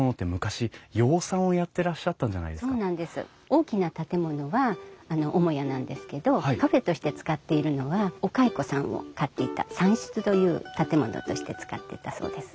大きな建物はあの母屋なんですけどカフェとして使っているのはお蚕さんを飼っていた蚕室という建物として使ってたそうです。